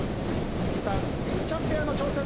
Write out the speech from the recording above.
小木さん・凛ちゃんペアの挑戦。